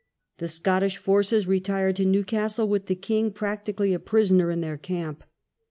The Scottish forces retired to Newcastle with the king practically a prisoner in their camp.